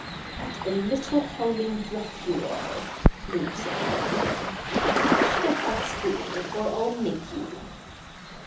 'What a little howling brat you are!" Loup said finally. "Stop that squealing or I'll make you."